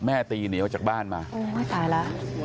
แม่ตีเหนียวจากบ้านมาไม่ตายล่ะ